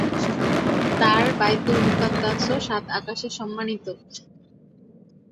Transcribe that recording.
তার বায়তুল মুকাদ্দাসও সাত আকাশে সম্মানিত।